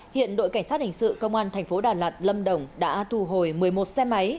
hiện đội cảnh sát hình sự công an tp đà lạt lâm đồng đã thù hồi một mươi một xe máy